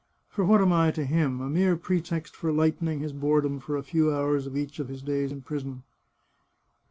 For what am I to him? A mere pretext for lightening his boredom for a few hours of each of his days in prison."